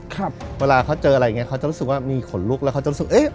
ครับเวลาเขาเจออะไรอย่างเงี้เขาจะรู้สึกว่ามีขนลุกแล้วเขาจะรู้สึกเอ๊ะ